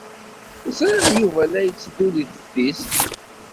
Ẓriɣ Yuba la yetteddu deg teftist.